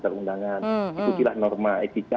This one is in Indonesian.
ikutilah norma etika